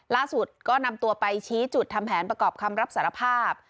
ล่าสุดก็นำตัวไปชี้จุดทำแผนประกอบคำรับสารภาพ